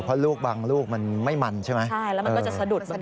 เพราะลูกบางลูกมันไม่มันใช่ไหม